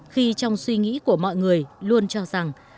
khi trong suy nghĩ của mọi người luôn cho rằng